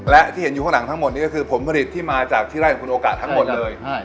และที่เห็นอยู่ข้างหลังทั้งหมดนี้ก็คือผลผลิตที่มาจากที่ไร่ของคุณโอกาสทั้งหมดเลย